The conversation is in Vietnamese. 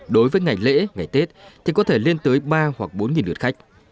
đối với ngày lễ ngày tết thì có thể lên tới ba hoặc bốn lượt khách